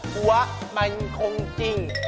เป็นคนจริง